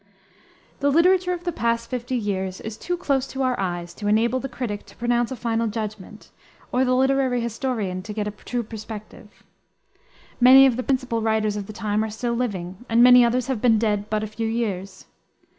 The literature of the past fifty years is too close to our eyes to enable the critic to pronounce a final judgment, or the literary historian to get a true perspective. Many of the principal writers of the time are still living, and many others have been dead but a few years.